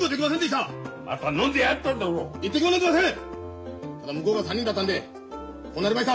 ただ向こうが３人だったんでこうなりました！